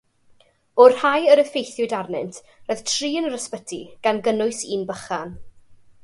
O'r rhai yr effeithiwyd arnynt, roedd tri yn yr ysbyty, gan gynnwys un bychan.